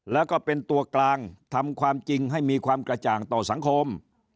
แล้วก็เป็นตัวกลางทำความจริงให้มีความกระจ่างต่อสังคม